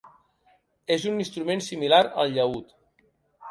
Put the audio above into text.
És un instrument similar al llaüt.